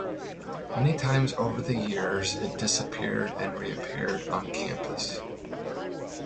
Many times over the years it disappeared and re-appeared on campus.